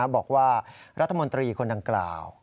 บอกว่ารัฐมนตรีคนดังกล่าว